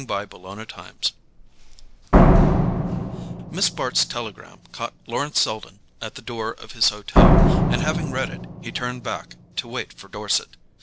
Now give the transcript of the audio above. Chapter 3 Miss Bart's telegram caught Lawrence Selden at the door of his hotel; and having read it, he turned back to wait for Dorset.